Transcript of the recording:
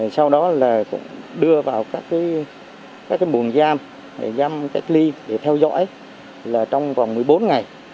sau đó là cũng đưa vào các cái buồng giam giam cách ly để theo dõi là trong vòng một mươi bốn ngày